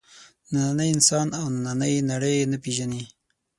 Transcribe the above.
نننی انسان او نننۍ نړۍ نه پېژني.